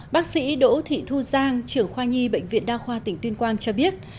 bác sĩ đỗ thị thu giang trưởng khoa nhi bệnh viện đa khoa tỉnh tuyên quang cho biết